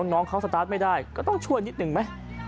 น้องเขาสตาร์ทไม่ได้ก็ต้องช่วยนิดหนึ่งไหม